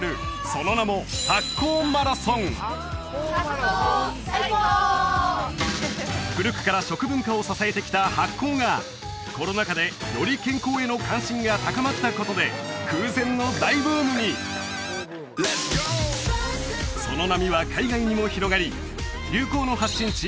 その名も「発酵マラソン」古くから食文化を支えてきた発酵がコロナ禍でより健康への関心が高まったことで空前の大ブームにその波は海外にも広がり流行の発信地